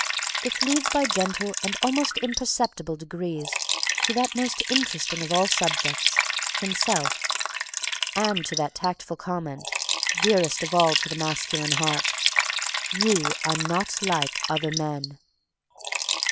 It leads by gentle and almost imperceptible degrees to that most interesting of all subjects, himself, and to that tactful comment, dearest of all to the masculine heart; "You are not like other men!"